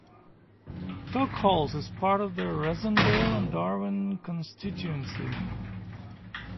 Tockholes is part of the Rossendale and Darwen constituency.